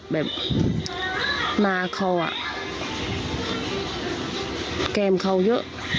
แบบน่าเขาอ่ะเกมเขาเยอะ